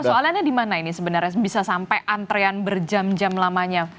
jadi persoalannya dimana ini sebenarnya bisa sampai antrean berjam jam lamanya